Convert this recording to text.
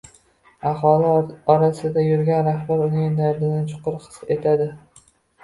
Aholi orasida yurgan rahbar uning dardini chuqur his etadi